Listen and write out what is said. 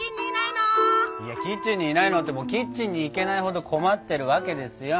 いやキッチンにいないのってキッチンに行けないほど困ってるわけですよ。